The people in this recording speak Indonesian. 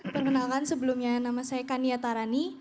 perkenalkan sebelumnya nama saya kania tarani